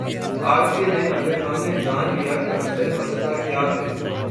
آج کے دن اگر ہم نے جان لیا کہ اصل مسئلہ کیا ہے۔